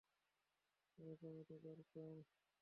এরকমই তো করা দরকার!